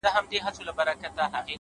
ستا پر ځنگانه اكثر’